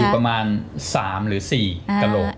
ประมาณ๓หรือ๔กระโหลก